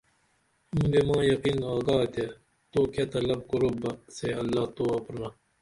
مودے ماں یقین آگاتے تو کیہ تلب کُرب بہ سے اللہ توہ پِرینا